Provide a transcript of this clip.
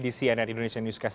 di cnn indonesian newscast